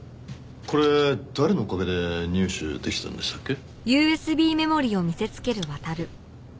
これ誰のおかげで入手できたんでしたっけ？